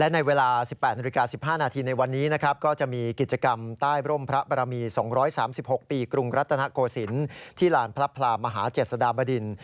ในเวลา๑๘นาฬิกา๑๕นาทีในวันนี้นะครับก็จะมีกิจกรรมใต้ร่มพระบรมี๒๓๖ปีกรุงรัตนโกศิลป์ที่ลานพระพลามหาเจษฎาบดิน